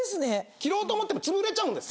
切ろうと思ってもつぶれちゃうんです。